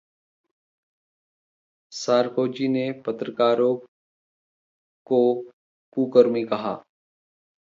Sarkozy ने पत्रकारों को ‘कुकर्मी’ कहा